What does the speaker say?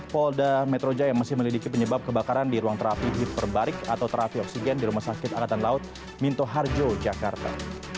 polda metro jaya masih melidiki penyebab kebakaran di ruang terapi hiperbarik atau terapi oksigen di rumah sakit angkatan laut minto harjo jakarta